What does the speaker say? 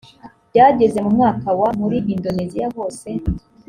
byageze mu mwaka wa… muri indoneziya hose